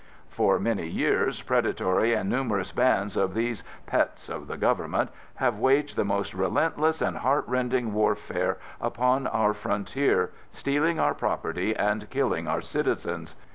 "... For many years, predatory and numerous bands of these 'pets of the government' have waged the most relentless and heart rending warfare upon our frontier, stealing our property and killing our citizens.